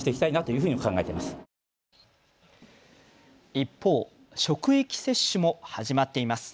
一方、職域接種も始まっています。